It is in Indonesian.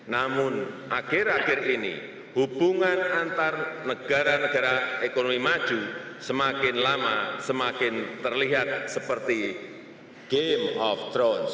namun akhir akhir ini hubungan antar negara negara ekonomi maju semakin lama semakin terlihat seperti game of thrones